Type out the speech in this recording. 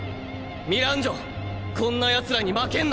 ミランジョこんなやつらに負けんな。